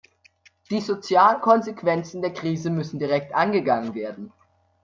Die sozialen Konsequenzen der Krise müssen direkt angegangen werden.